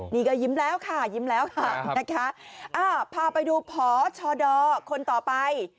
นี่ก็ยิ้มแล้วค่ะยิ้มแล้วค่ะนะคะพาไปดูพอชดคนต่อไป